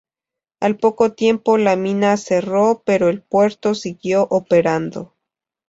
Al poco tiempo la mina cerró, pero el puerto siguió operando.